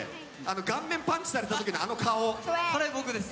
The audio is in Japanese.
顔面パンチされたときの顔。